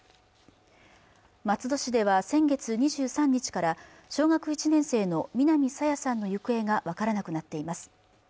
松戸市では先月２３日から小学１年生の南朝芽さんの行方が分からなくなっています